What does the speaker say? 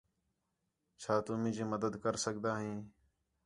چَھا تُُو مینجی مدد کر سڳدا ہیں؟